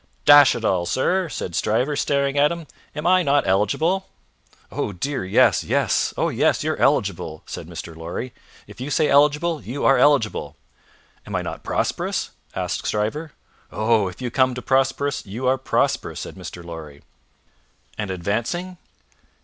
"D n it all, sir!" said Stryver, staring at him, "am I not eligible?" "Oh dear yes! Yes. Oh yes, you're eligible!" said Mr. Lorry. "If you say eligible, you are eligible." "Am I not prosperous?" asked Stryver. "Oh! if you come to prosperous, you are prosperous," said Mr. Lorry. "And advancing?"